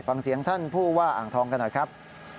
ฟังเสียงท่านผู้ว่าอ่างทองกันหน่อยครับ